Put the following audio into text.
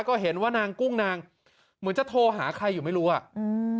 ก็เห็นว่านางกุ้งนางเหมือนจะโทรหาใครอยู่ไม่รู้อ่ะอืม